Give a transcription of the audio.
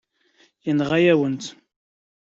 Yenɣa-yawen-tt.